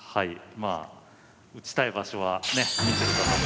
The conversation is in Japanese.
まあ打ちたい場所はね見てる方も。